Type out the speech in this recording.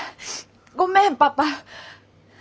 ごめんパパ。